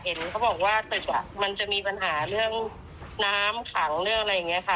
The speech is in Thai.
เห็นเขาบอกว่าตึกมันจะมีปัญหาเรื่องน้ำขังเรื่องอะไรอย่างนี้ค่ะ